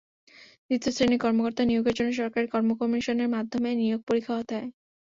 দ্বিতীয় শ্রেণির কর্মকর্তা নিয়োগের জন্য সরকারি কর্মকমিশনের মাধ্যমে নিয়োগ পরীক্ষা হতে হয়।